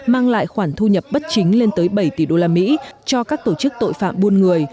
mang lại khoản thu nhập bất chính lên tới bảy tỷ đô la mỹ cho các tổ chức tội phạm buôn người